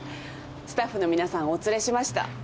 スタッフの皆さんをお連れしました。